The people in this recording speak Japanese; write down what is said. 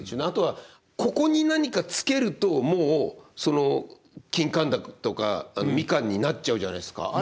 あとはここに何かつけるともうその金柑だとか蜜柑になっちゃうじゃないですか。